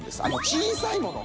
小さいもの。